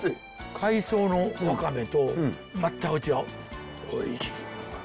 海藻のワカメと全く違う。